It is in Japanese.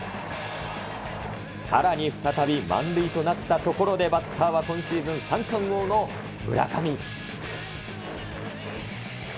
さらに再び、満塁となったところで、バッターは今シーズン三冠王の村上。